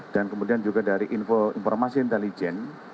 dan kemudian juga dari informasi intelijen